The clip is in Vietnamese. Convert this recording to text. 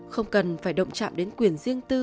không cần phải động chạm đến quyền riêng tư